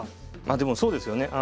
でもそうですよね